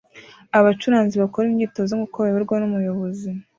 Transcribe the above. Abacuranzi bakora imyitozo nkuko bayoborwa numuyobozi